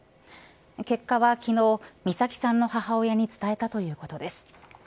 結果は昨日、美咲さんの母親に伝えたということです。